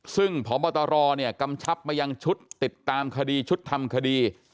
ซึ่งพบตรกำชับมายังชุดติดตามคดีชุดทำคดี